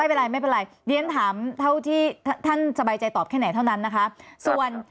ไม่เป็นไรไม่เป็นไรเรียนถามเท่าที่ท่านสบายใจตอบแค่ไหนเท่านั้นนะคะส่วน